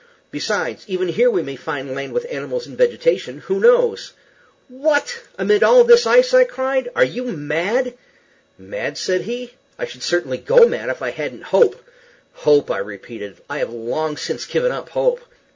Besides, even here we may find land with animals and vegetation; who knows?" "What! amid all this ice?" I cried. "Are you mad?" "Mad?" said he; "I should certainly go mad if I hadn't hope." "Hope!" I repeated; "I have long since given up hope."